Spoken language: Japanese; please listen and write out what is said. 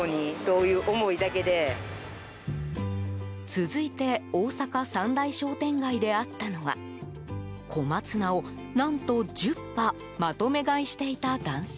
続いて大阪三大商店街で会ったのは小松菜を、何と１０把まとめ買いしていた男性。